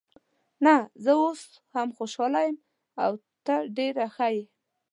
نه، زه اوس هم خوشحاله یم او ته ډېره ښه یې.